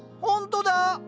ほんとだ。